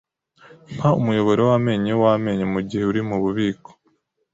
Mpa umuyoboro wamenyo wamenyo mugihe uri mububiko.